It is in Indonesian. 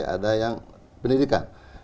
ada yang pendidikan